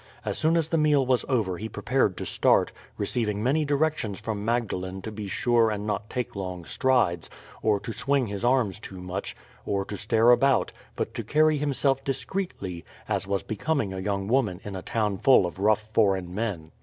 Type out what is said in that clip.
As soon as the meal was over he prepared to start, receiving many directions from Magdalene to be sure and not take long strides, or to swing his arms too much, or to stare about, but to carry himself discreetly, as was becoming a young woman in a town full of rough foreign men.